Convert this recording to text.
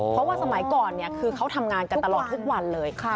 เพราะว่าสมัยก่อนคือเขาทำงานกันตลอดทุกวันเลย